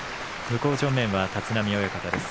向正面は立浪親方です。